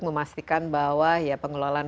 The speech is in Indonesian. memastikan bahwa pengelolaan